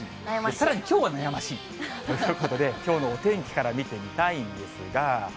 さらにきょうは悩ましいということで、きょうのお天気から見てみたいんですが。